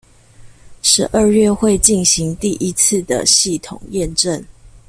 十二月會進行第一次的系統驗證